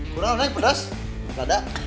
kau tau neng pedas lada